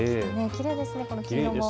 きれいですね。